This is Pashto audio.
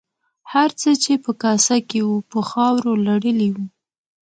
هر څه چې په کاسه کې وو په خاورو لړلي وو.